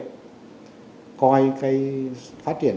để coi phát triển